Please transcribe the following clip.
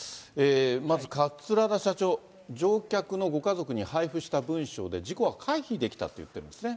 まず桂田社長、乗客のご家族に配布した文書で、事故は回避できたって言ってますね。